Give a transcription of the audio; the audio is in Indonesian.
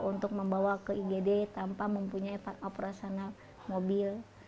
untuk membawa ke igd tanpa mempunyai operasional mobil